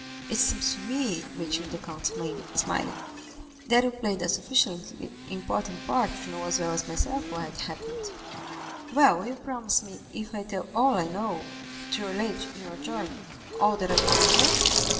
"It seems to me," returned the count, smiling, "that you played a sufficiently important part to know as well as myself what happened." 20249m "Well, you promise me, if I tell all I know, to relate, in your turn, all that I do not know?"